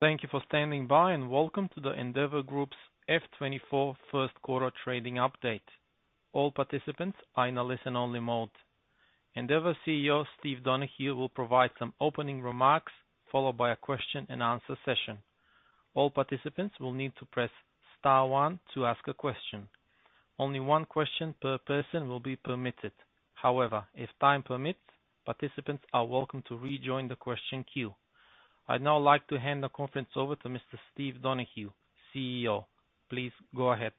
Thank you for standing by, and welcome to the Endeavour Group's F24 first quarter trading update. All participants are in a listen-only mode. Endeavour CEO, Steve Donohue, will provide some opening remarks, followed by a question-and-answer session. All participants will need to press Star 1 to ask a question. Only one question per person will be permitted. However, if time permits, participants are welcome to rejoin the question queue. I'd now like to hand the conference over to Mr. Steve Donohue, CEO. Please go ahead.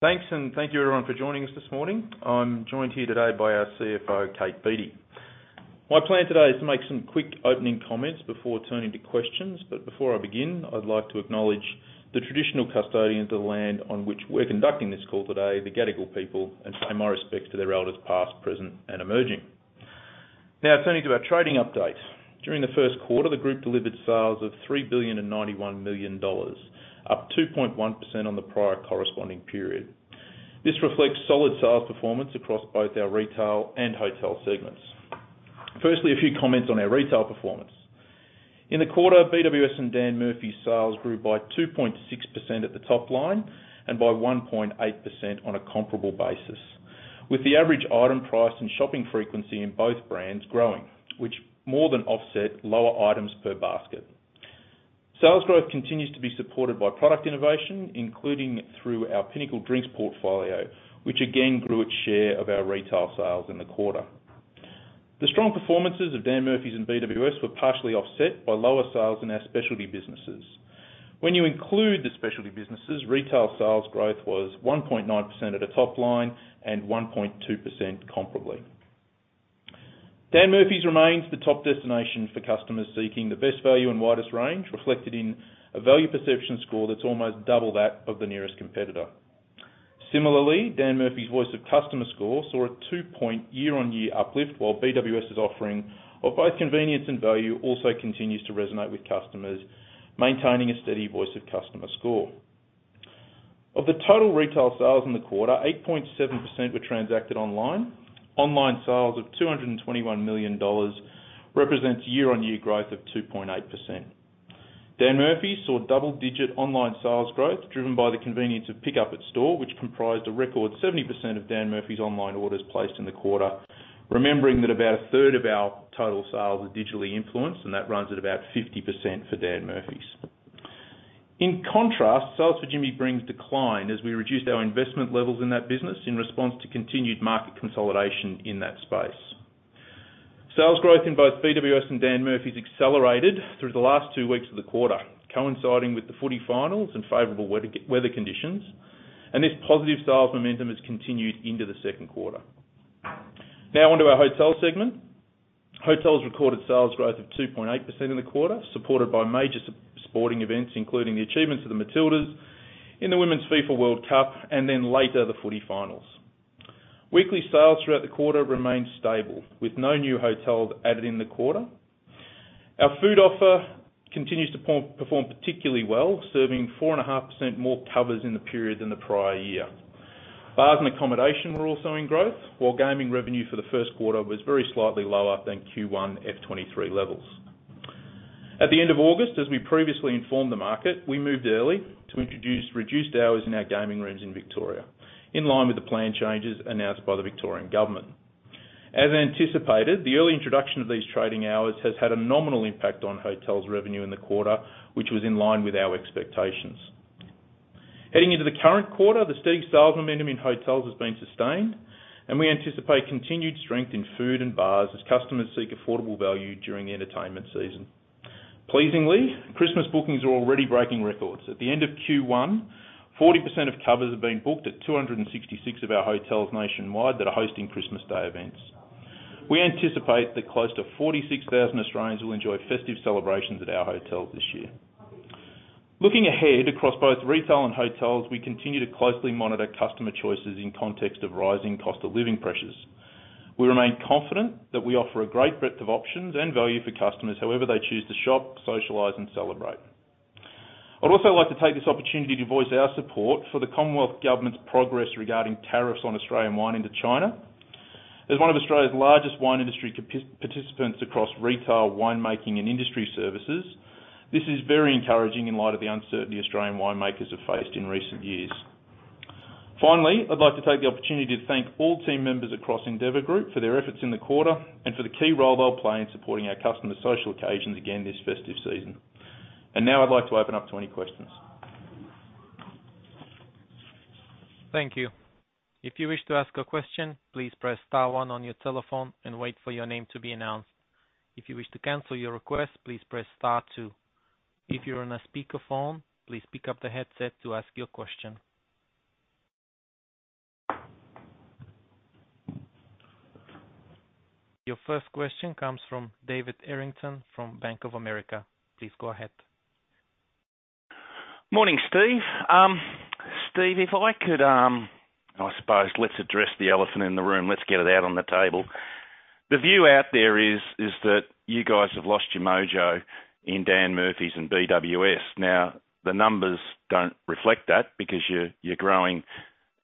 Thanks, and thank you everyone for joining us this morning. I'm joined here today by our CFO, Kate Beattie. My plan today is to make some quick opening comments before turning to questions. But before I begin, I'd like to acknowledge the traditional custodians of the land on which we're conducting this call today, the Gadigal people, and pay my respects to their elders, past, present, and emerging. Now, turning to our trading update. During the first quarter, the group delivered sales of 3.091 billion, up 2.1% on the prior corresponding period. This reflects solid sales performance across both our retail and hotel segments. Firstly, a few comments on our retail performance. In the quarter, BWS and Dan Murphy's sales grew by 2.6% at the top line and by 1.8% on a comparable basis, with the average item price and shopping frequency in both brands growing, which more than offset lower items per basket. Sales growth continues to be supported by product innovation, including through our Pinnacle Drinks portfolio, which again grew its share of our retail sales in the quarter. The strong performances of Dan Murphy's and BWS were partially offset by lower sales in our specialty businesses. When you include the specialty businesses, retail sales growth was 1.9% at the top line and 1.2% comparably. Dan Murphy's remains the top destination for customers seeking the best value and widest range, reflected in a value perception score that's almost double that of the nearest competitor. Similarly, Dan Murphy's Voice of Customer score saw a 2-point year-on-year uplift, while BWS's offering of both convenience and value also continues to resonate with customers, maintaining a steady Voice of Customer score. Of the total retail sales in the quarter, 8.7% were transacted online. Online sales of 221 million dollars represents year-on-year growth of 2.8%. Dan Murphy saw double-digit online sales growth, driven by the convenience of pickup at store, which comprised a record 70% of Dan Murphy's online orders placed in the quarter, remembering that about a third of our total sales are digitally influenced, and that runs at about 50% for Dan Murphy's. In contrast, sales for Jimmy Brings declined as we reduced our investment levels in that business in response to continued market consolidation in that space. Sales growth in both BWS and Dan Murphy's accelerated through the last two weeks of the quarter, coinciding with the footy finals and favorable weather conditions, and this positive sales momentum has continued into the second quarter. Now, on to our hotel segment. Hotels recorded sales growth of 2.8% in the quarter, supported by major sporting events, including the achievements of the Matildas in the Women's FIFA World Cup, and then later, the footy finals. Weekly sales throughout the quarter remained stable, with no new hotels added in the quarter. Our food offer continues to perform particularly well, serving 4.5% more covers in the period than the prior year. Bars and accommodation were also in growth, while gaming revenue for the first quarter was very slightly lower than Q1 F2023 levels. At the end of August, as we previously informed the market, we moved early to introduce reduced hours in our gaming rooms in Victoria, in line with the planned changes announced by the Victorian Government. As anticipated, the early introduction of these trading hours has had a nominal impact on hotels' revenue in the quarter, which was in line with our expectations. Heading into the current quarter, the steady sales momentum in hotels has been sustained, and we anticipate continued strength in food and bars as customers seek affordable value during the entertainment season. Pleasingly, Christmas bookings are already breaking records. At the end of Q1, 40% of covers have been booked at 266 of our hotels nationwide that are hosting Christmas Day events. We anticipate that close to 46,000 Australians will enjoy festive celebrations at our hotels this year. Looking ahead, across both retail and hotels, we continue to closely monitor customer choices in context of rising cost-of-living pressures. We remain confident that we offer a great breadth of options and value for customers however they choose to shop, socialize, and celebrate. I'd also like to take this opportunity to voice our support for the Commonwealth Government's progress regarding tariffs on Australian wine into China. As one of Australia's largest wine industry participants across retail, winemaking, and industry services, this is very encouraging in light of the uncertainty Australian winemakers have faced in recent years. Finally, I'd like to take the opportunity to thank all team members across Endeavour Group for their efforts in the quarter and for the key role they'll play in supporting our customers' social occasions again this festive season. Now I'd like to open up to any questions. Thank you. If you wish to ask a question, please press star one on your telephone and wait for your name to be announced. If you wish to cancel your request, please press star two. If you're on a speakerphone, please pick up the headset to ask your question. Your first question comes from David Errington from Bank of America. Please go ahead. Morning, Steve. Steve, if I could, I suppose let's address the elephant in the room. Let's get it out on the table. The view out there is that you guys have lost your mojo in Dan Murphy's and BWS. Now, the numbers don't reflect that because you're growing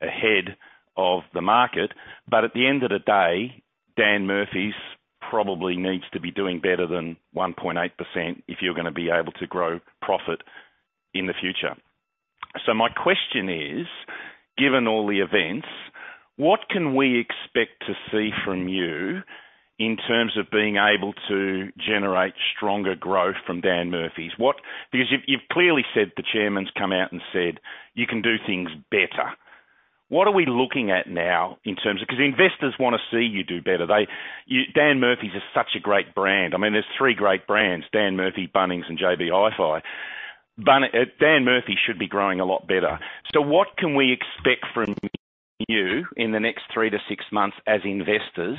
ahead of the market. But at the end of the day, Dan Murphy's probably needs to be doing better than 1.8% if you're gonna be able to grow profit in the future. So my question is, given all the events, what can we expect to see from you in terms of being able to generate stronger growth from Dan Murphy's? What? Because you've clearly said, the chairman's come out and said, "You can do things better." What are we looking at now in terms of? 'Cause investors wanna see you do better. They, you-- Dan Murphy's is such a great brand. I mean, there's three great brands: Dan Murphy, Bunnings, and JB Hi-Fi. Dan Murphy should be growing a lot better. So what can we expect from you in the next three to six months as investors,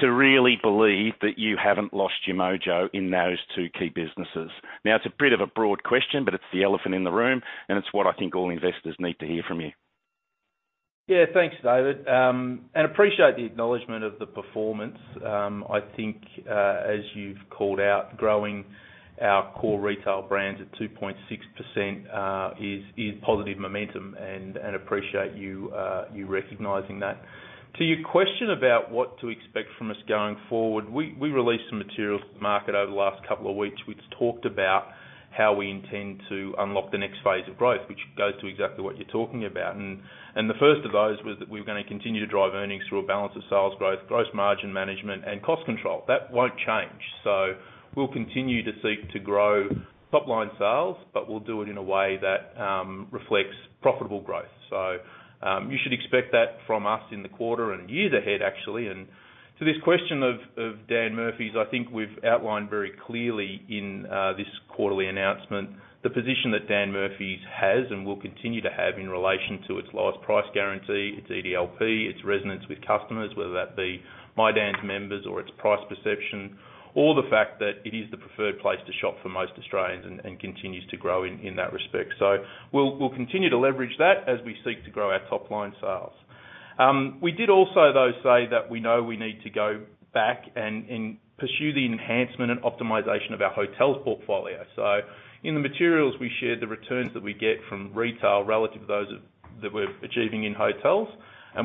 to really believe that you haven't lost your mojo in those two key businesses? Now, it's a bit of a broad question, but it's the elephant in the room, and it's what I think all investors need to hear from you. Yeah, thanks, David, and appreciate the acknowledgment of the performance. I think, as you've called out, growing our core retail brands at 2.6%, is positive momentum, and appreciate you recognizing that. To your question about what to expect from us going forward, we released some materials to the market over the last couple of weeks, which talked about how we intend to unlock the next phase of growth, which goes to exactly what you're talking about. And the first of those was that we're gonna continue to drive earnings through a balance of sales growth, gross margin management, and cost control. That won't change. So we'll continue to seek to grow top-line sales, but we'll do it in a way that reflects profitable growth. So, you should expect that from us in the quarter and years ahead, actually. To this question of Dan Murphy's, I think we've outlined very clearly in this quarterly announcement, the position that Dan Murphy's has and will continue to have in relation to its lowest price guarantee, its EDLP, its resonance with customers, whether that be My Dan's members or its price perception, or the fact that it is the preferred place to shop for most Australians and continues to grow in that respect. So we'll continue to leverage that as we seek to grow our top-line sales. We did also, though, say that we know we need to go back and pursue the enhancement and optimization of our hotels portfolio. So in the materials, we shared the returns that we get from retail relative to that we're achieving in hotels.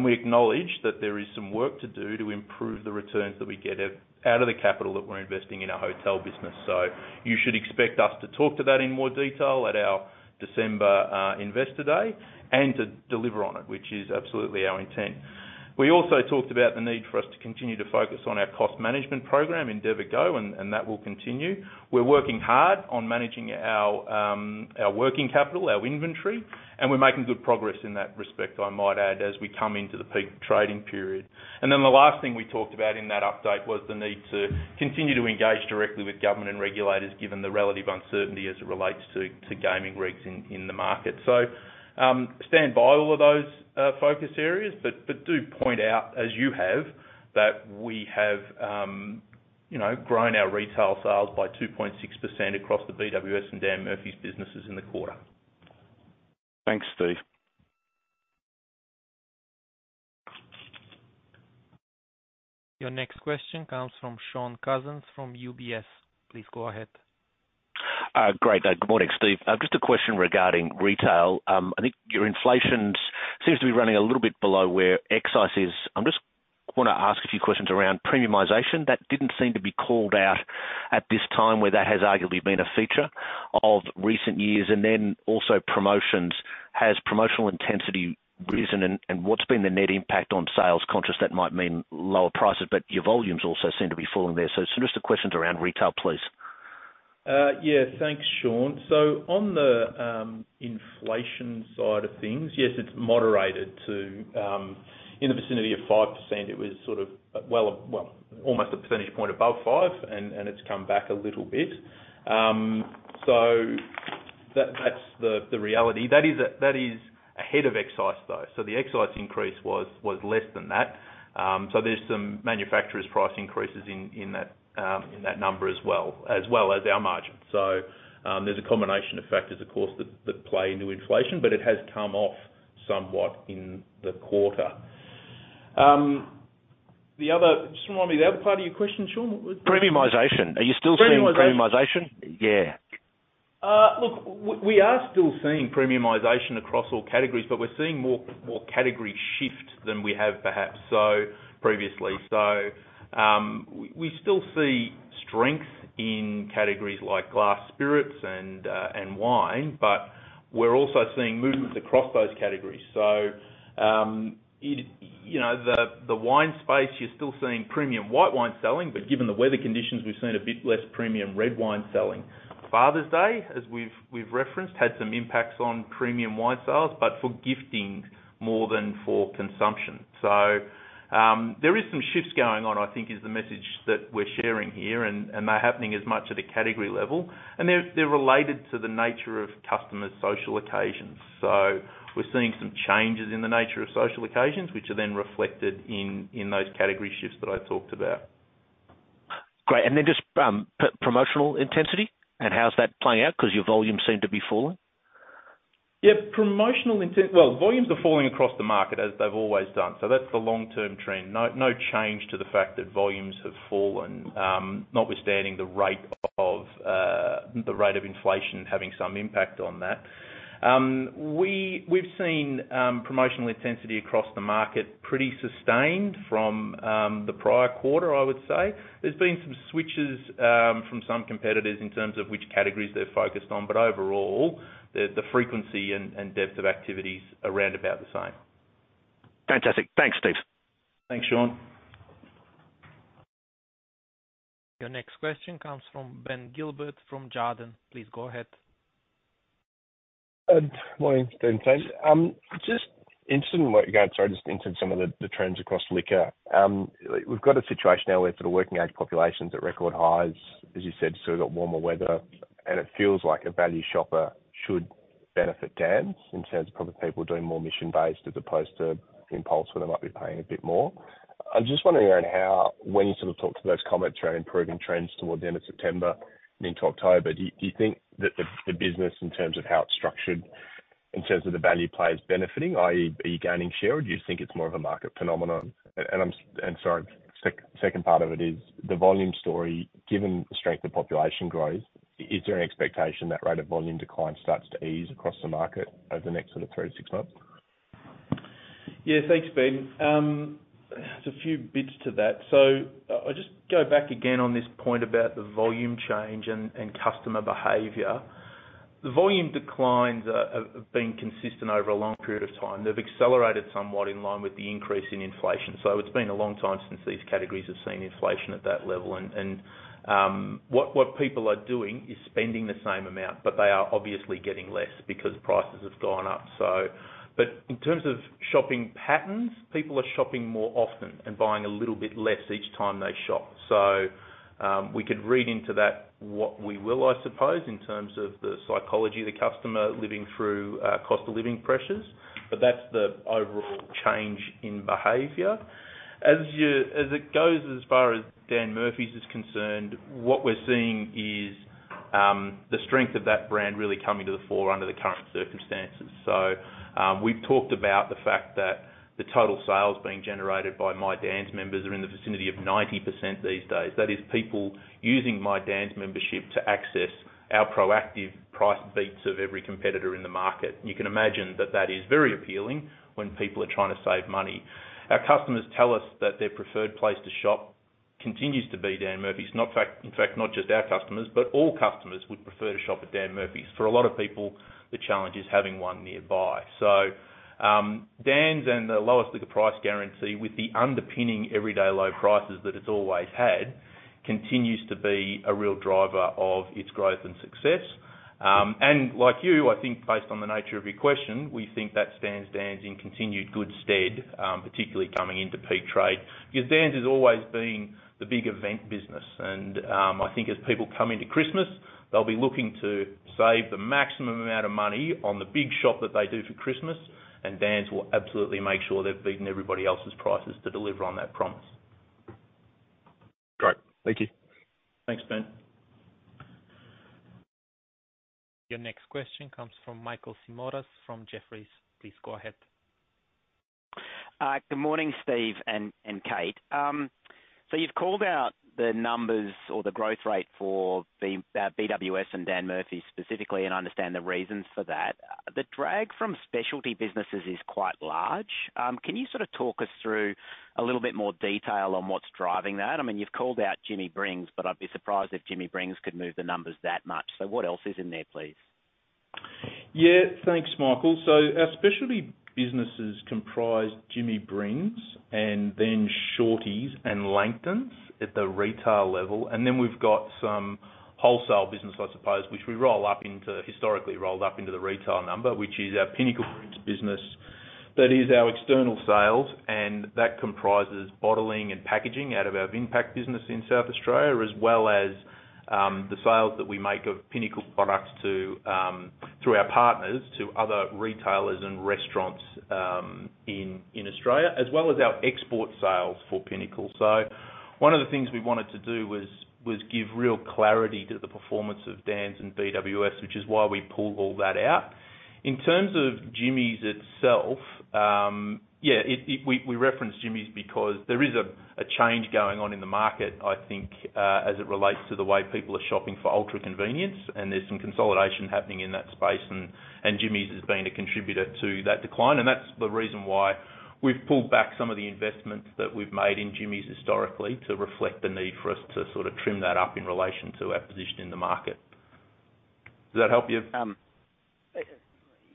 We acknowledge that there is some work to do to improve the returns that we get out of the capital that we're investing in our hotel business. You should expect us to talk to that in more detail at our December Investor Day, and to deliver on it, which is absolutely our intent. We also talked about the need for us to continue to focus on our cost management program, Endeavour Go, and that will continue. We're working hard on managing our working capital, our inventory, and we're making good progress in that respect, I might add, as we come into the peak trading period. And then the last thing we talked about in that update was the need to continue to engage directly with government and regulators, given the relative uncertainty as it relates to gaming regs in the market. So, stand by all of those focus areas, but do point out, as you have, that we have, you know, grown our retail sales by 2.6% across the BWS and Dan Murphy's businesses in the quarter. Thanks, Steve. Your next question comes from Shaun Cousins, from UBS. Please go ahead. Great. Good morning, Steve. Just a question regarding retail. I think your inflation seems to be running a little bit below where excise is. I'm just wanna ask a few questions around premiumization. That didn't seem to be called out at this time, where that has arguably been a feature of recent years, and then also promotions. Has promotional intensity risen, and what's been the net impact on sales? Conscious that might mean lower prices, but your volumes also seem to be falling there. So just the questions around retail, please. Yeah, thanks, Shaun. So on the inflation side of things, yes, it's moderated to in the vicinity of 5%. It was sort of well almost a percentage point above 5, and it's come back a little bit. So that, that's the reality. That is ahead of excise, though. So the excise increase was less than that. So there's some manufacturers' price increases in that number as well as our margin. So there's a combination of factors, of course, that play into inflation, but it has come off somewhat in the quarter. The other... Just remind me, the other part of your question, Shaun? Premiumization. Premiumization. Are you still seeing premiumization? Yeah. Look, we are still seeing premiumization across all categories, but we're seeing more category shift than we have perhaps so previously. So, we still see strength in categories like glass spirits and wine, but we're also seeing movements across those categories. So, you know, the wine space, you're still seeing premium white wine selling, but given the weather conditions, we've seen a bit less premium red wine selling. Father's Day, as we've referenced, had some impacts on premium wine sales, but for gifting more than for consumption. So, there is some shifts going on, I think is the message that we're sharing here, and they're happening as much at a category level, and they're related to the nature of customers' social occasions. So we're seeing some changes in the nature of social occasions, which are then reflected in those category shifts that I talked about. Great. And then just promotional intensity, and how's that playing out? 'Cause your volumes seem to be falling. Yeah, promotional intent, well, volumes are falling across the market as they've always done, so that's the long-term trend. No, no change to the fact that volumes have fallen, notwithstanding the rate of inflation having some impact on that.... We've seen promotional intensity across the market pretty sustained from the prior quarter, I would say. There's been some switches from some competitors in terms of which categories they're focused on, but overall, the frequency and depth of activities are round about the same. Fantastic. Thanks, Steve. Thanks, Shaun. Your next question comes from Ben Gilbert from Jarden. Please go ahead. Morning, Ben. Just interested in some of the trends across liquor. We've got a situation now where sort of working age population's at record highs, as you said, so we've got warmer weather, and it feels like a value shopper should benefit Dan's in terms of probably people doing more mission-based as opposed to impulse, where they might be paying a bit more. I'm just wondering around how, when you sort of talk to those comments around improving trends towards the end of September into October, do you think that the business, in terms of how it's structured, in terms of the value play is benefiting, i.e., are you gaining share, or do you think it's more of a market phenomenon? And I'm sorry, second part of it is the volume story. Given the strength of population growth, is there an expectation that rate of volume decline starts to ease across the market over the next sort of three to six months? Yeah, thanks, Ben. There's a few bits to that. So I'll just go back again on this point about the volume change and customer behavior. The volume declines have been consistent over a long period of time. They've accelerated somewhat in line with the increase in inflation. So it's been a long time since these categories have seen inflation at that level. And what people are doing is spending the same amount, but they are obviously getting less because prices have gone up, so. But in terms of shopping patterns, people are shopping more often and buying a little bit less each time they shop. So we could read into that what we will, I suppose, in terms of the psychology of the customer living through cost of living pressures, but that's the overall change in behavior. As it goes, as far as Dan Murphy's is concerned, what we're seeing is the strength of that brand really coming to the fore under the current circumstances. So, we've talked about the fact that the total sales being generated by My Dan's members are in the vicinity of 90% these days. That is, people using My Dan's membership to access our proactive price beats of every competitor in the market. You can imagine that that is very appealing when people are trying to save money. Our customers tell us that their preferred place to shop continues to be Dan Murphy's. In fact, not just our customers, but all customers would prefer to shop at Dan Murphy's. For a lot of people, the challenge is having one nearby. So, Dan's and the lowest liquor price guarantee, with the underpinning everyday low prices that it's always had, continues to be a real driver of its growth and success. And like you, I think based on the nature of your question, we think that stands Dan's in continued good stead, particularly coming into peak trade. Because Dan's has always been the big event business, and, I think as people come into Christmas, they'll be looking to save the maximum amount of money on the big shop that they do for Christmas, and Dan's will absolutely make sure they've beaten everybody else's prices to deliver on that promise. Great. Thank you. Thanks, Ben. Your next question comes from Michael Simotas from Jefferies. Please go ahead. Good morning, Steve and Kate. So you've called out the numbers or the growth rate for the BWS and Dan Murphy's specifically, and I understand the reasons for that. The drag from specialty businesses is quite large. Can you sort of talk us through a little bit more detail on what's driving that? I mean, you've called out Jimmy Brings, but I'd be surprised if Jimmy Brings could move the numbers that much. So what else is in there, please? Yeah. Thanks, Michael. So our specialty businesses comprise Jimmy Brings and then Shorty's and Langton's at the retail level, and then we've got some wholesale business, I suppose, which we roll up into, historically rolled up into the retail number, which is our Pinnacle Drinks business. That is our external sales, and that comprises bottling and packaging out of our Vinpac business in South Australia, as well as the sales that we make of Pinnacle products to through our partners, to other retailers and restaurants in Australia, as well as our export sales for Pinnacle. So one of the things we wanted to do was give real clarity to the performance of Dan's and BWS, which is why we pulled all that out. In terms of Jimmy's itself, we referenced Jimmy's because there is a change going on in the market, I think, as it relates to the way people are shopping for ultra-convenience, and there's some consolidation happening in that space, and Jimmy's has been a contributor to that decline. That's the reason why we've pulled back some of the investments that we've made in Jimmy's historically, to reflect the need for us to sort of trim that up in relation to our position in the market. Does that help you?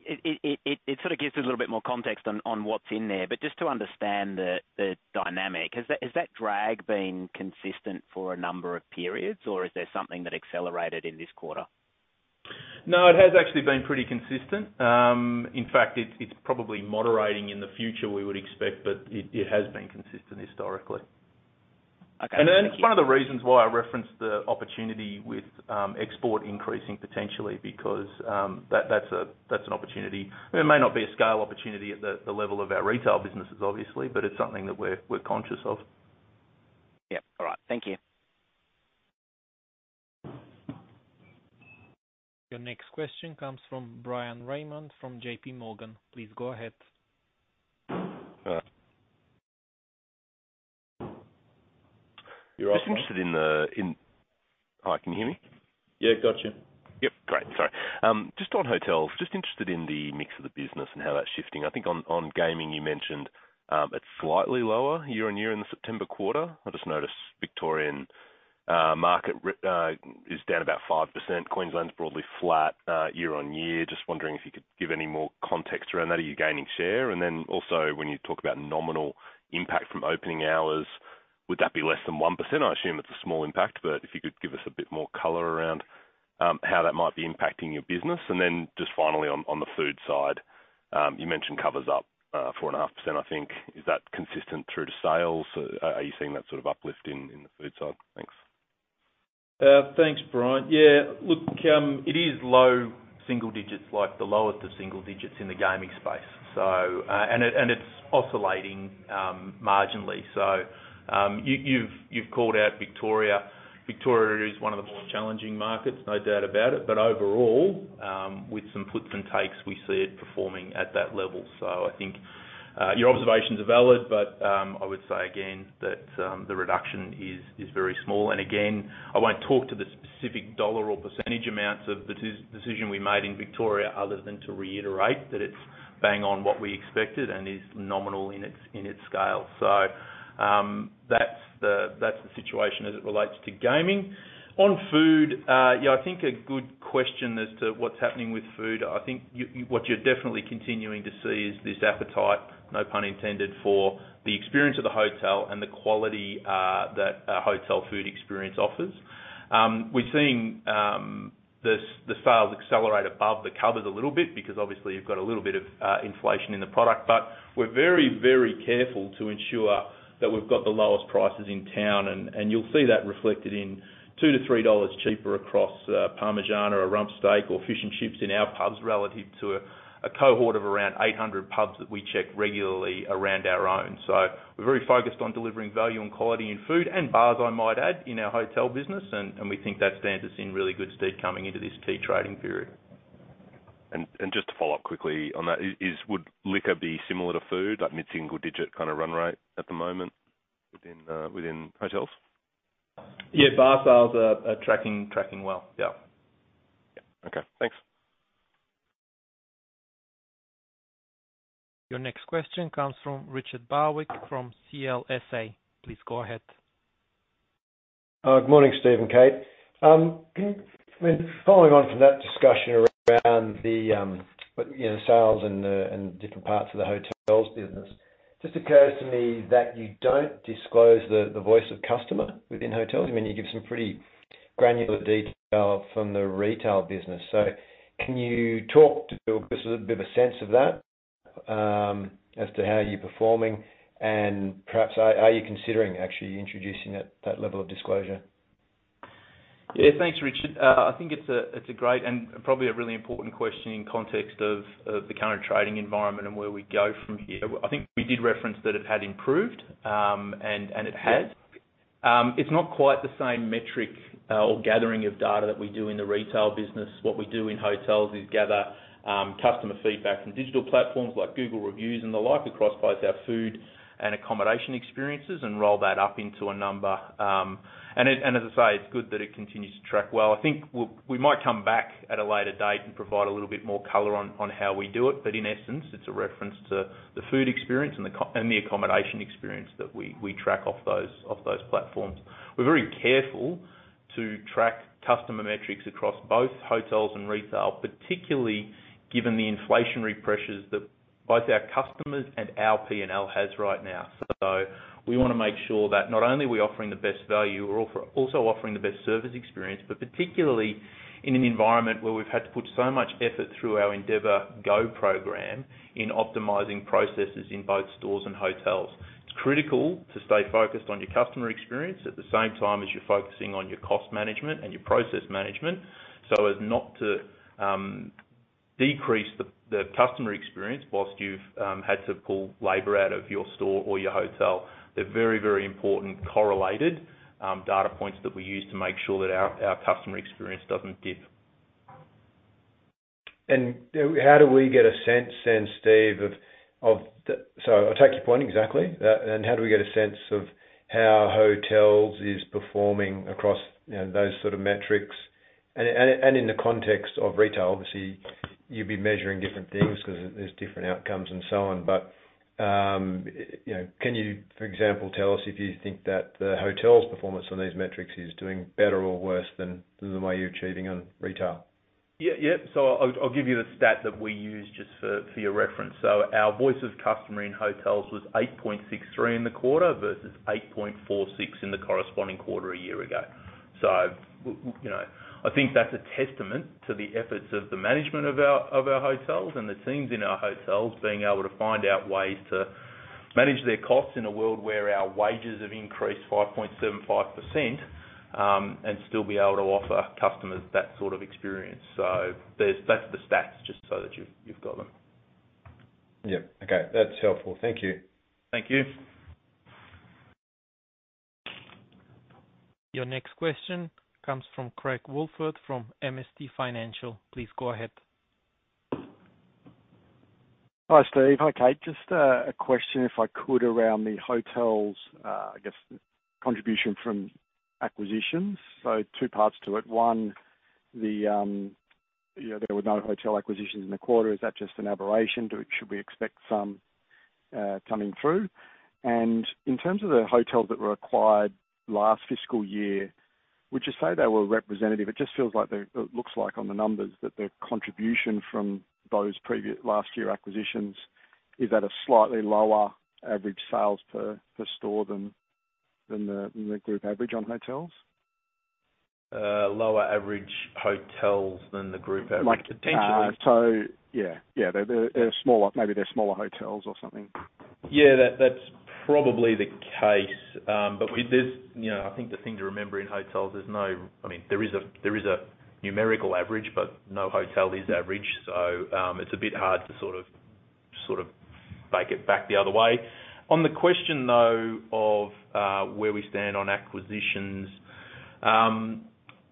It sort of gives us a little bit more context on what's in there. But just to understand the dynamic, has that drag been consistent for a number of periods, or is there something that accelerated in this quarter? No, it has actually been pretty consistent. In fact, it's probably moderating in the future, we would expect, but it has been consistent historically. Okay. And then it's one of the reasons why I referenced the opportunity with export increasing potentially, because that's an opportunity. It may not be a scale opportunity at the level of our retail businesses, obviously, but it's something that we're conscious of. Yeah. All right. Thank you. Your next question comes from Bryan Raymond from JPMorgan. Please go ahead.... Just interested in the, hi, can you hear me? Yeah, got you. Yep, great. Sorry. Just on hotels, just interested in the mix of the business and how that's shifting. I think on gaming, you mentioned it's slightly lower year-on-year in the September quarter. I just noticed Victorian market is down about 5%. Queensland's broadly flat year-on-year. Just wondering if you could give any more context around that. Are you gaining share? And then also, when you talk about nominal impact from opening hours, would that be less than 1%? I assume it's a small impact, but if you could give us a bit more color around how that might be impacting your business. And then just finally on the food side, you mentioned cover's up 4.5%, I think. Is that consistent through to sales? Are you seeing that sort of uplift in the food side? Thanks. Thanks, Bryan. Yeah, look, it is low single digits, like the lowest of single digits in the gaming space. So, and it's oscillating marginally. So, you've called out Victoria. Victoria is one of the more challenging markets, no doubt about it. But overall, with some puts and takes, we see it performing at that level. So I think, your observations are valid, but I would say again, that the reduction is very small. And again, I won't talk to the specific dollar or percentage amounts of the decision we made in Victoria, other than to reiterate that it's bang on what we expected and is nominal in its scale. So, that's the situation as it relates to gaming. On food, yeah, I think a good question as to what's happening with food. I think you, you—what you're definitely continuing to see is this appetite, no pun intended, for the experience of the hotel and the quality that a hotel food experience offers. We're seeing the sales accelerate above the covers a little bit, because obviously you've got a little bit of inflation in the product. We're very, very careful to ensure that we've got the lowest prices in town, and you'll see that reflected in $2-$3 cheaper across parmigiana or rump steak or fish and chips in our pubs, relative to a cohort of around 800 pubs that we check regularly around our own. So we're very focused on delivering value and quality in food and bars, I might add, in our hotel business, and we think that stands us in really good stead coming into this key trading period. Just to follow up quickly on that. Would liquor be similar to food, like mid-single digit kind of run rate at the moment within hotels? Yeah, bar sales are tracking well. Yeah. Okay, thanks. Your next question comes from Richard Barwick, from CLSA. Please go ahead. Good morning, Steve and Kate. Can you-- Following on from that discussion around the, you know, sales and the, and different parts of the hotels business, just occurs to me that you don't disclose the, the Voice of Customer within hotels. I mean, you give some pretty granular detail from the retail business. So can you talk to give us a bit of a sense of that, as to how you're performing and perhaps are, are you considering actually introducing that, that level of disclosure? Yeah. Thanks, Richard. I think it's a, it's a great and probably a really important question in context of, of the current trading environment and where we go from here. I think we did reference that it had improved, and, and it has. It's not quite the same metric, or gathering of data that we do in the retail business. What we do in hotels is gather, customer feedback from digital platforms like Google Reviews and the like, across both our food and accommodation experiences, and roll that up into a number. And as I say, it's good that it continues to track well. I think we'll, we might come back at a later date and provide a little bit more color on, on how we do it. But in essence, it's a reference to the food experience and the accommodation experience that we track off those platforms. We're very careful to track customer metrics across both hotels and retail, particularly given the inflationary pressures that both our customers and our PNL has right now. So we wanna make sure that not only are we offering the best value, we're also offering the best service experience, but particularly in an environment where we've had to put so much effort through our Endeavour Go program, in optimizing processes in both stores and hotels. It's critical to stay focused on your customer experience at the same time as you're focusing on your cost management and your process management, so as not to decrease the customer experience whilst you've had to pull labor out of your store or your hotel. They're very, very important correlated data points that we use to make sure that our customer experience doesn't dip. How do we get a sense then, Steve, of the... So I take your point exactly. And how do we get a sense of how hotels is performing across, you know, those sort of metrics? And in the context of retail, obviously, you'd be measuring different things because there's different outcomes and so on. But you know, can you, for example, tell us if you think that the hotel's performance on these metrics is doing better or worse than the way you're achieving on retail? Yeah, yeah. So I'll give you the stat that we use just for your reference. So our Voice of Customer in hotels was 8.63 in the quarter, versus 8.46 in the corresponding quarter a year ago. So you know, I think that's a testament to the efforts of the management of our hotels and the teams in our hotels, being able to find ways to manage their costs in a world where our wages have increased 5.75%, and still be able to offer customers that sort of experience. So that's the stats, just so that you've got them. Yeah. Okay, that's helpful. Thank you. Thank you. Your next question comes from Craig Woolford, from MST Financial. Please go ahead.... Hi, Steve. Hi, Kate. Just a question if I could, around the hotels, I guess, contribution from acquisitions. So two parts to it. One, the, you know, there were no hotel acquisitions in the quarter. Is that just an aberration, or should we expect some coming through? And in terms of the hotels that were acquired last fiscal year, would you say they were representative? It just feels like they—it looks like on the numbers, that the contribution from those last year acquisitions is at a slightly lower average sales per store than the group average on hotels. Lower average hotels than the group average? Potentially. So yeah. Yeah, they're smaller. Maybe they're smaller hotels or something. Yeah, that, that's probably the case. But we-- there's, you know, I think the thing to remember in hotels, there's no... I mean, there is a numerical average, but no hotel is average. So, it's a bit hard to sort of take it back the other way. On the question, though, of where we stand on acquisitions.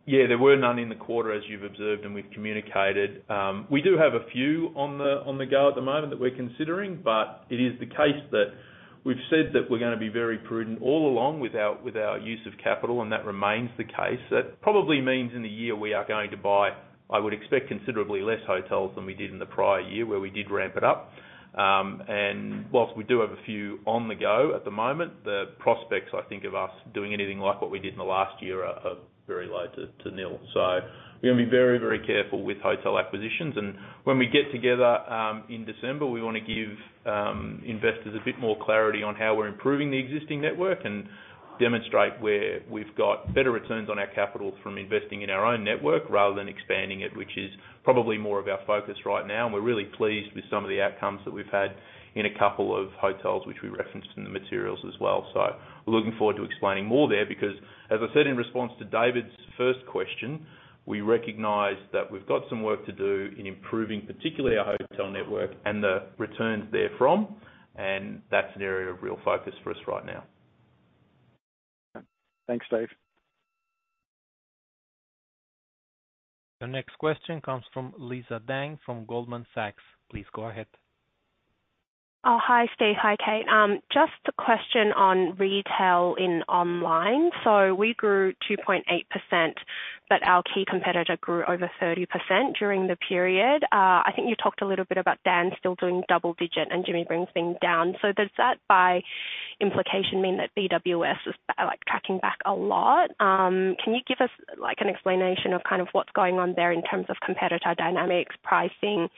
Yeah, there were none in the quarter, as you've observed, and we've communicated. We do have a few on the go at the moment that we're considering, but it is the case that we've said that we're gonna be very prudent all along with our use of capital, and that remains the case. That probably means in the year we are going to buy, I would expect, considerably less hotels than we did in the prior year, where we did ramp it up. And while we do have a few on the go at the moment, the prospects, I think, of us doing anything like what we did in the last year are, are very low to, to nil. So we're gonna be very, very careful with hotel acquisitions. And when we get together, in December, we wanna give, investors a bit more clarity on how we're improving the existing network and demonstrate where we've got better returns on our capital from investing in our own network rather than expanding it, which is probably more of our focus right now. We're really pleased with some of the outcomes that we've had in a couple of hotels, which we referenced in the materials as well. We're looking forward to explaining more there because, as I said in response to David's first question, we recognize that we've got some work to do in improving, particularly our hotel network and the returns therefrom, and that's an area of real focus for us right now. Thanks, Steve. The next question comes from Lisa Deng from Goldman Sachs. Please go ahead. Oh, hi, Steve. Hi, Kate. Just a question on retail in online. So we grew 2.8%, but our key competitor grew over 30% during the period. I think you talked a little bit about Dan's still doing double-digit, and Jimmy Brings things down. So does that, by implication, mean that BWS is, like, tracking back a lot? Can you give us, like, an explanation of kind of what's going on there in terms of competitor dynamics, pricing,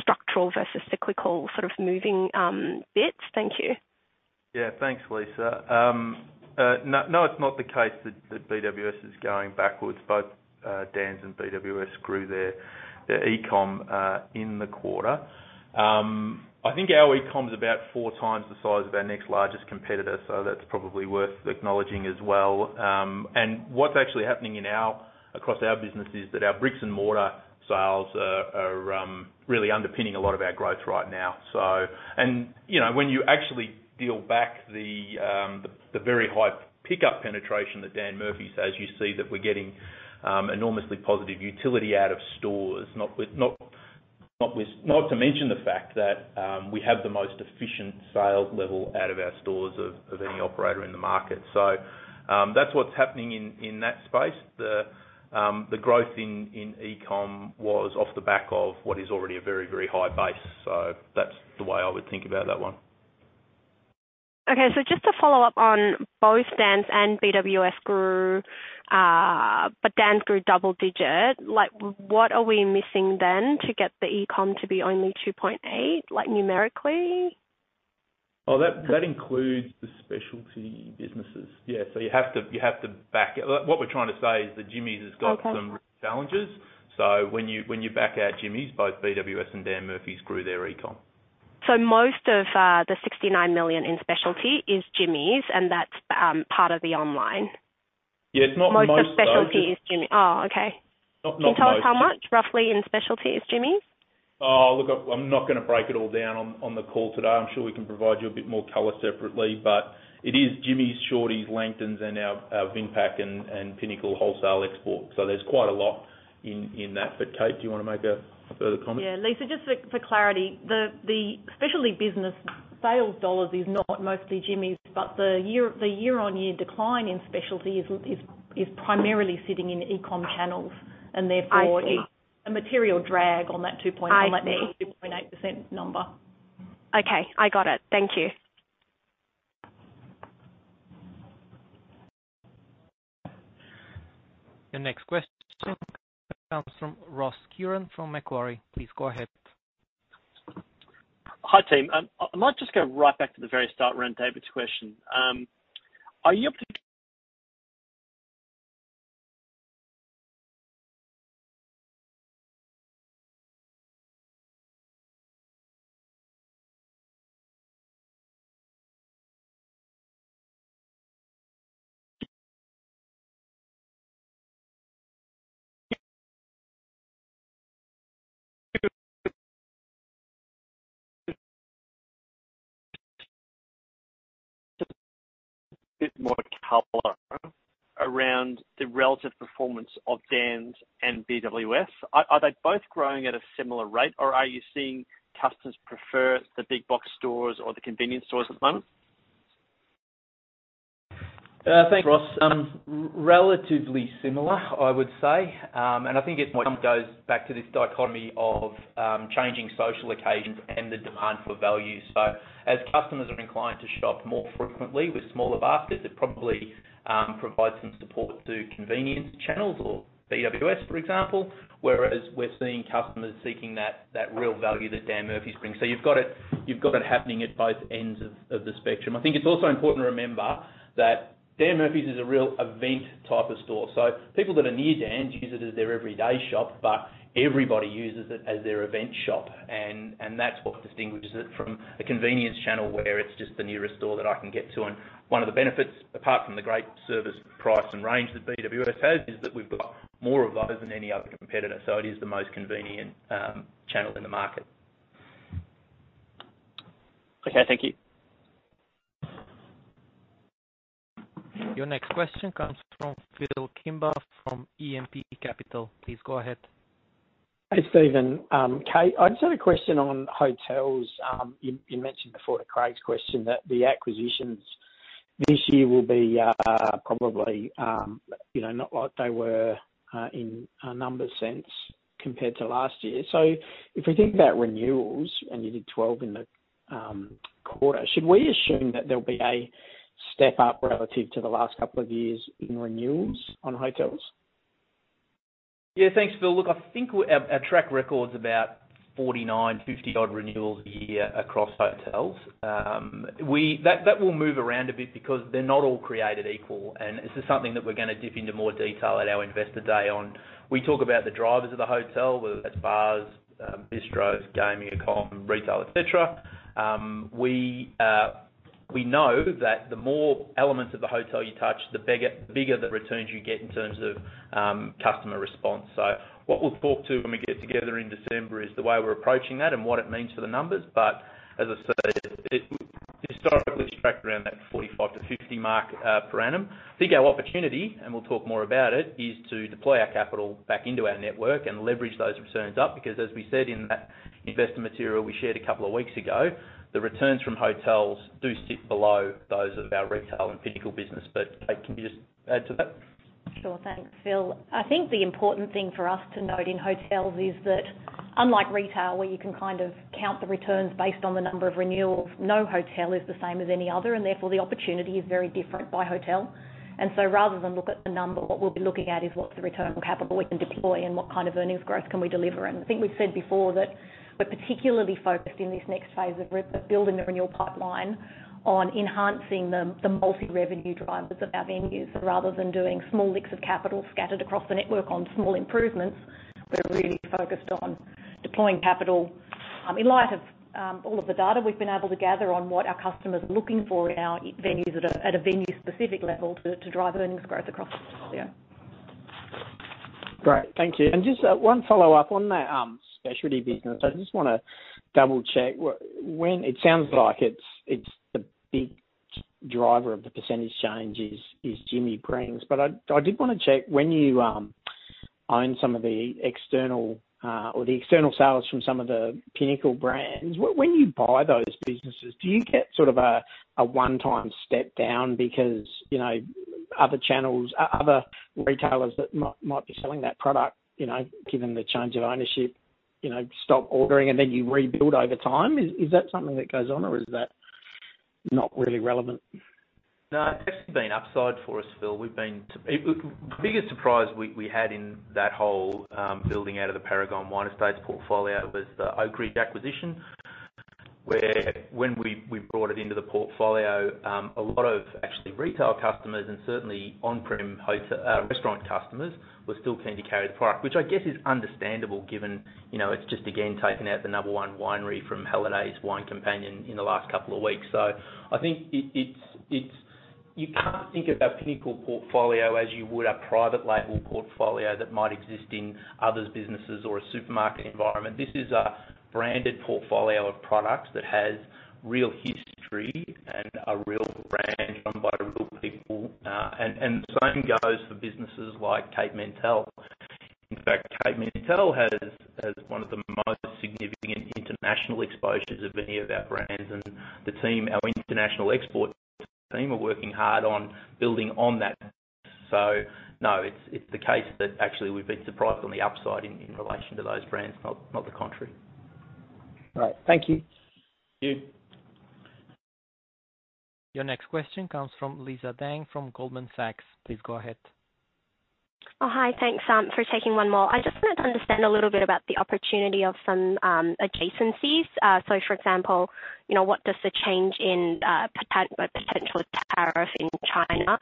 structural versus cyclical, sort of moving bits? Thank you. Yeah. Thanks, Lisa. No, no, it's not the case that BWS is going backwards. Both Dan's and BWS grew their e-com in the quarter. I think our e-com is about 4 times the size of our next largest competitor, so that's probably worth acknowledging as well. You know, what's actually happening across our business is that our bricks and mortar sales are really underpinning a lot of our growth right now. You know, when you actually deal back the very high pickup penetration that Dan Murphy's has, you see that we're getting enormously positive utility out of stores. Not to mention the fact that we have the most efficient sales level out of our stores of any operator in the market. So, that's what's happening in that space. The growth in e-com was off the back of what is already a very, very high base. So that's the way I would think about that one. Okay, so just to follow up on both Dan's and BWS grew, but Dan's grew double digit. Like, what are we missing then to get the e-com to be only 2.8, like numerically? Oh, that, that includes the specialty businesses. Yeah, so you have to, you have to back... What we're trying to say is that Jimmy's has got- Okay. Some challenges. So when you, when you back out Jimmy's, both BWS and Dan Murphy's grew their e-com. So most of the 69 million in specialty is Jimmy's, and that's part of the online? Yeah, it's not most though- Most of specialty is Jimmy's. Oh, okay. Not, not most. Can you tell us how much, roughly, in specialty is Jimmy Brings? Oh, look, I'm not gonna break it all down on the call today. I'm sure we can provide you a bit more color separately, but it is Jimmy's, Shorty's, Langton's, and our Vinpac and Pinnacle Wholesale Export. So there's quite a lot in that. But, Kate, do you want to make a further comment? Yeah, Lisa, just for clarity, the specialty business sales dollars is not mostly Jimmy's, but the year-on-year decline in specialty is primarily sitting in e-com channels and therefore- I see. -a material drag on that 2 point- I see. On that 2.8% number. Okay, I got it. Thank you. Your next question comes from Ross Curran from Macquarie. Please go ahead. Hi, team. I might just go right back to the very start around David's question. Are you up to- more color around the relative performance of Dan's and BWS. Are they both growing at a similar rate, or are you seeing customers prefer the big box stores or the convenience stores at the moment? Thanks, Ross. Relatively similar, I would say. And I think it kind of goes back to this dichotomy of changing social occasions and the demand for value. So as customers are inclined to shop more frequently with smaller baskets, it probably provides some support to convenience channels or BWS, for example. Whereas we're seeing customers seeking that real value that Dan Murphy's brings. So you've got it happening at both ends of the spectrum. I think it's also important to remember that Dan Murphy's is a real event type of store, so people that are near Dan's use it as their everyday shop, but everybody uses it as their event shop. And that's what distinguishes it from a convenience channel, where it's just the nearest store that I can get to. One of the benefits, apart from the great service, price, and range that BWS has, is that we've got more of those than any other competitor, so it is the most convenient channel in the market. Okay, thank you. Your next question comes from Phil Kimber from E&P Capital. Please go ahead. Hey, Steve. Kate, I just had a question on hotels. You, you mentioned before to Craig's question that the acquisitions this year will be, probably, you know, not like they were, in a numbers sense compared to last year. So if we think about renewals, and you did 12 in the quarter, should we assume that there'll be a step up relative to the last couple of years in renewals on hotels? Yeah, thanks, Phil. Look, I think our track record's about 49, 50-odd renewals a year across hotels. That will move around a bit because they're not all created equal, and this is something that we're gonna dip into more detail at our Investor Day on. We talk about the drivers of the hotel, whether that's bars, bistros, gaming, e-comm, retail, et cetera. We know that the more elements of the hotel you touch, the bigger, bigger the returns you get in terms of customer response. So what we'll talk to when we get together in December is the way we're approaching that and what it means for the numbers. But as I said, it historically tracked around that 45-50 mark per annum. I think our opportunity, and we'll talk more about it, is to deploy our capital back into our network and leverage those returns up, because as we said in that investor material we shared a couple of weeks ago, the returns from hotels do sit below those of our retail and Pinnacle business. But, Kate, can you just add to that? Sure. Thanks, Phil. I think the important thing for us to note in hotels is that unlike retail, where you can kind of count the returns based on the number of renewals, no hotel is the same as any other, and therefore, the opportunity is very different by hotel. And so rather than look at the number, what we'll be looking at is what's the return on capital we can deploy and what kind of earnings growth can we deliver. And I think we've said before that we're particularly focused in this next phase of rebuilding the renewal pipeline on enhancing the, the multi-revenue drivers of our venues, rather than doing small licks of capital scattered across the network on small improvements. We're really focused on deploying capital, in light of all of the data we've been able to gather on what our customers are looking for in our venues at a venue-specific level to drive earnings growth across the year. Great. Thank you. And just, one follow-up on the, specialty business. I just wanna double-check when it sounds like it's the big driver of the percentage change is Jimmy Brings. But I did wanna check when you own some of the external or the external sales from some of the Pinnacle brands, when you buy those businesses, do you get sort of a one-time step down because, you know, other channels, other retailers that might be selling that product, you know, given the change of ownership, you know, stop ordering, and then you rebuild over time? Is that something that goes on or is that not really relevant? No, it's actually been upside for us, Phil. We've been... the biggest surprise we, we had in that whole, building out of the Paragon Wine Estates portfolio was the Oakridge acquisition, where when we, we brought it into the portfolio, a lot of actually retail customers and certainly on-prem hotel, restaurant customers, were still keen to carry the product. Which I guess is understandable given, you know, it's just again, taking out the number one winery from Halliday's Wine Companion in the last couple of weeks. So I think it, it's, it's-- You can't think of our Pinnacle portfolio as you would a private label portfolio that might exist in others' businesses or a supermarket environment. This is a branded portfolio of products that has real history and a real brand owned by real people. And the same goes for businesses like Cape Mentelle. In fact, Cape Mentelle has one of the most significant international exposures of any of our brands. And the team, our international export team, are working hard on building on that. So no, it's the case that actually we've been surprised on the upside in relation to those brands, not the contrary. All right. Thank you. Thank you. Your next question comes from Lisa Deng, from Goldman Sachs. Please go ahead. Oh, hi. Thanks for taking one more. I just wanted to understand a little bit about the opportunity of some adjacencies. So for example, you know, what does the change in potential tariff in China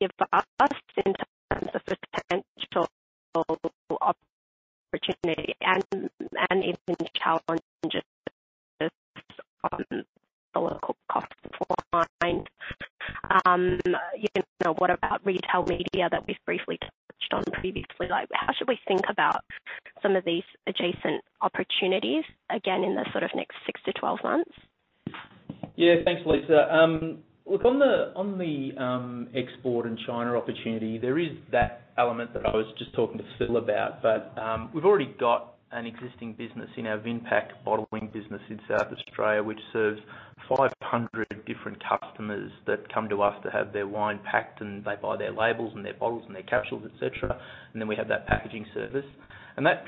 give us in terms of potential opportunity and any challenges on the local cost line?... You know, what about retail media that we've briefly touched on previously? Like, how should we think about some of these adjacent opportunities, again, in the sort of next six-12 months? Yeah, thanks, Lisa. Look, on the export and China opportunity, there is that element that I was just talking to Phil about, but we've already got an existing business in our Vinpac bottling business in South Australia, which serves 500 different customers that come to us to have their wine packed, and they buy their labels and their bottles and their capsules, et cetera. And then we have that packaging service. And that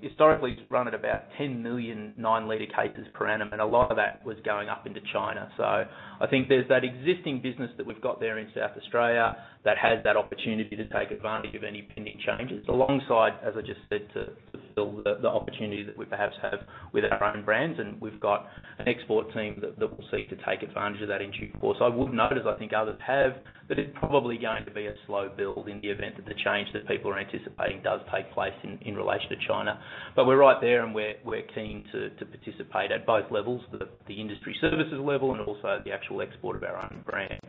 historically has run at about 10 million nine-liter cases per annum, and a lot of that was going up into China. So I think there's that existing business that we've got there in South Australia that has that opportunity to take advantage of any pending changes. Alongside, as I just said, to Phil, the opportunity that we perhaps have with our own brands, and we've got an export team that will seek to take advantage of that in due course. I would note, as I think others have, that it's probably going to be a slow build in the event that the change that people are anticipating does take place in relation to China. But we're right there, and we're keen to participate at both levels, the industry services level and also the actual export of our own brands.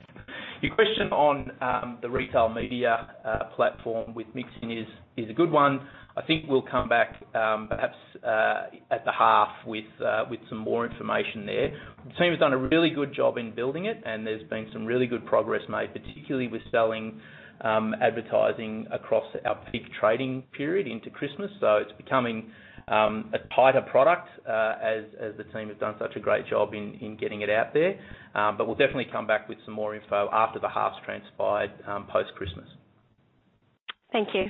Your question on the retail media platform with MixIn is a good one. I think we'll come back, perhaps, at the half with some more information there. The team has done a really good job in building it, and there's been some really good progress made, particularly with selling advertising across our peak trading period into Christmas. So it's becoming a tighter product, as the team has done such a great job in getting it out there. But we'll definitely come back with some more info after the half's transpired, post-Christmas. Thank you.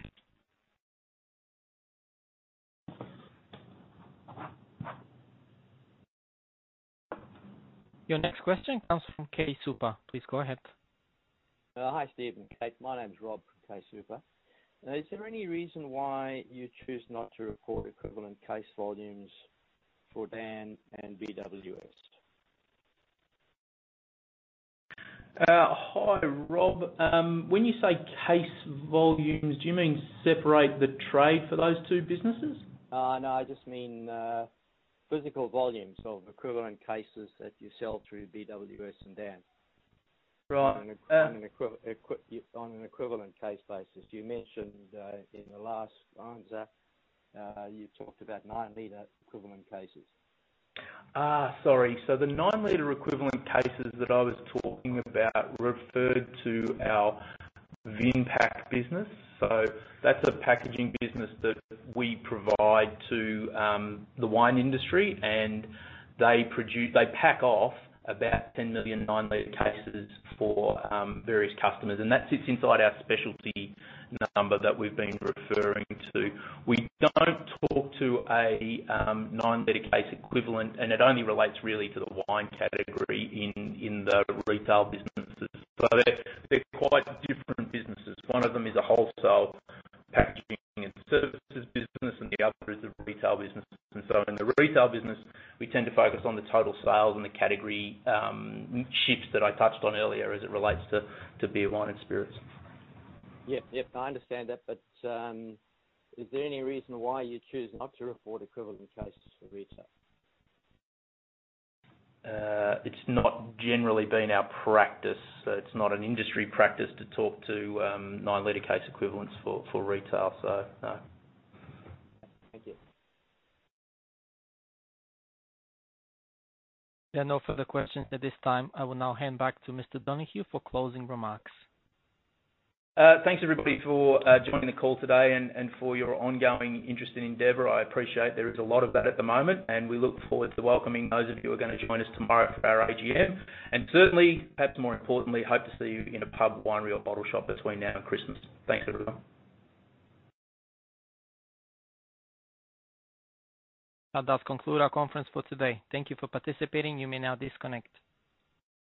Your next question comes from QSuper. Please go ahead. Hi, Steve and Kate. My name is Rob from QSuper. Is there any reason why you choose not to report equivalent case volumes for Dan and BWS? Hi, Rob. When you say case volumes, do you mean separate the trade for those two businesses? No, I just mean, physical volumes of equivalent cases that you sell through BWS and Dan. Right, uh- On an equivalent case basis. You mentioned, in the last answer, you talked about nine-liter equivalent cases. Ah, sorry. So the nine-liter equivalent cases that I was talking about referred to our Vinpac business. So that's a packaging business that we provide to the wine industry, and they produce. They pack off about 10 million nine-liter cases for various customers, and that sits inside our specialty number that we've been referring to. We don't talk to a nine-liter case equivalent, and it only relates really to the wine category in the retail businesses. So they're quite different businesses. One of them is a wholesale packaging and services business, and the other is a retail business. And so in the retail business, we tend to focus on the total sales and the category shifts that I touched on earlier as it relates to beer, wine, and spirits. Yep. Yep, I understand that, but, is there any reason why you choose not to report equivalent cases for retail? It's not generally been our practice. So it's not an industry practice to talk to 9-liter case equivalents for retail, so. Thank you. There are no further questions at this time. I will now hand back to Mr. Donohue for closing remarks. Thanks, everybody, for joining the call today and for your ongoing interest in Endeavour. I appreciate there is a lot of that at the moment, and we look forward to welcoming those of you who are gonna join us tomorrow for our AGM. And certainly, perhaps more importantly, hope to see you in a pub, winery, or bottle shop between now and Christmas. Thanks, everyone. That does conclude our conference for today. Thank you for participating. You may now disconnect.